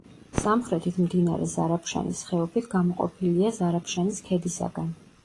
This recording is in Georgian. სამხრეთით მდინარე ზარაფშანის ხეობით გამოყოფილია ზარაფშანის ქედისაგან.